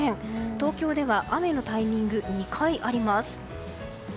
東京では雨のタイミング、２回あります。